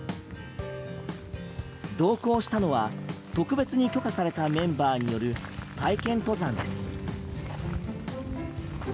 同行したのは特別に許可されたメンバーによる体験登山です。